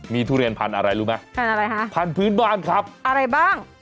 มีทุเรียนผ่านอะไรรู้ไหมผ่านอะไรฮะผ่านพื้นบ้านครับอะไรบ้าง